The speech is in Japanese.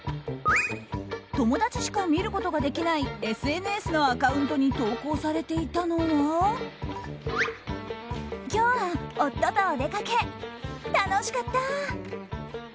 友達しか見ることのできないＳＮＳのアカウントに今日は夫とお出かけ楽しかった！